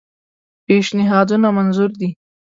پېشنهادونه منظور دي.